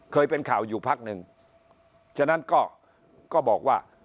เคยเป็นข่าวอยู่พักหนึ่งฉะนั้นก็ก็บอกว่า